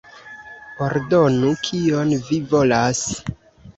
Ordonu, kion vi volas!